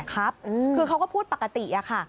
ครับคือเขาก็พูดปกติค่ะ